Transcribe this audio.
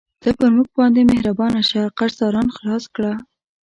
ته پر موږ باندې مهربانه شه، قرضداران خلاص کړه.